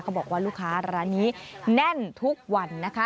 บอกว่าลูกค้าร้านนี้แน่นทุกวันนะคะ